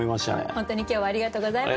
本当に今日はありがとうございました。